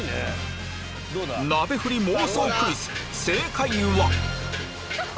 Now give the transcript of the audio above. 鍋振り妄想クイズ正解は？